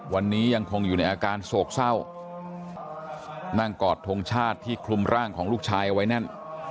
วันนี้ยังคงอยู่ในอาการโศกเศร้านั่งกอดทงชาติที่คลุมร่างของลูกชายเอาไว้แน่น